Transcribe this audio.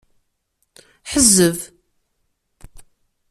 Ḥezzeb.